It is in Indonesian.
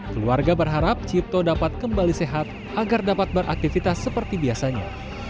keluarga berharap cipto dapat kembali sehat agar dapat beraktivitas seperti biasanya